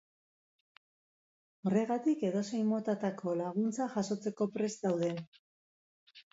Horregatik, edozein motatako laguntza jasotzeko prest daude.